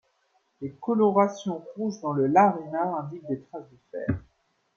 Les colorations rouges dans le larimar indiquent des traces de fer.